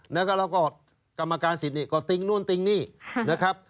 แล้วก็กรรมการสิทธิ์ก็ติ๊งนู่นติ้งนี่นะครับ